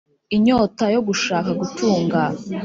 Inyota yo gushaka gutunga